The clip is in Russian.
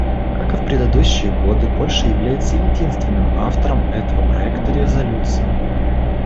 Как и в предыдущие годы, Польша является единственным автором этого проекта резолюции.